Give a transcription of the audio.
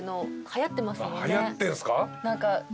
はやってんすか？